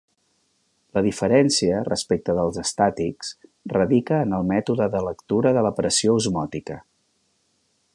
La diferència, respecte dels estàtics, radica en el mètode de lectura de la pressió osmòtica.